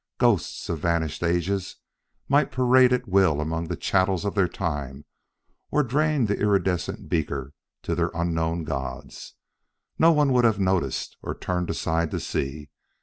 Ghosts of vanished ages might parade at will among the chattels of their time or drain the iridescent beaker to their unknown gods no one would have noticed or turned aside to see.